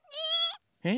え？